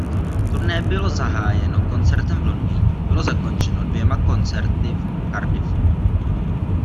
Turné bylo zahájeno koncertem v Londýně bylo zakončeno dvěma koncerty v Cardiffu.